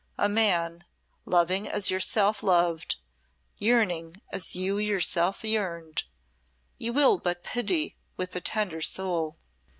A man loving as you yourself loved, yearning as you yourself yearned you will but pity with a tender soul."